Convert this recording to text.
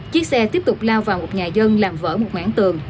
chiếc xe tiếp tục lao vào một nhà dân làm vỡ một ngã tường